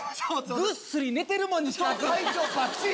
ぐっすり寝てるもん西川くん。